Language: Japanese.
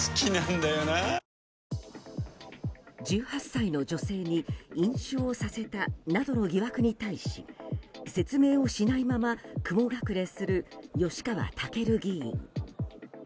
１８歳の女性に飲酒をさせたなどの疑惑に対し説明をしないまま雲隠れする吉川赳議員。